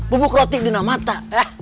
bubuk roti dinamata